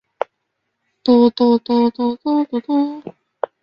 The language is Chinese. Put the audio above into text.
行政权则由斯洛伐克总理领导的政府行使。